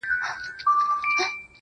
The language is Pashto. له يوه كال راهيسي.